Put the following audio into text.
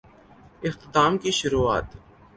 اختتام کی شروعات؟